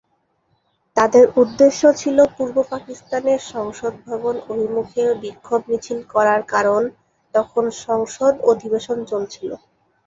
তাদের উদ্দেশ্য ছিল পূর্ব পাকিস্তানের সংসদ ভবন অভিমুখে বিক্ষোভ মিছিল করার- কারণ তখন সংসদ অধিবেশন চলছিল।